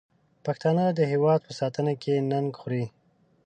پښتانه د هېواد په ساتنه کې ننګ خوري.